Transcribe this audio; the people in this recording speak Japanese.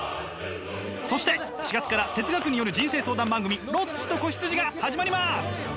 そして４月から哲学による人生相談番組「ロッチと子羊」が始まります！